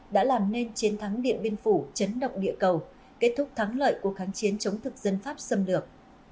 đã làm nên chiến thắng điện biên phủ chấn động địa cầu kết thúc thắng lợi của kháng chiến chống thực dân pháp xâm lược